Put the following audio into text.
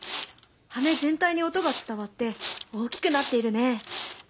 羽全体に音が伝わって大きくなっているね。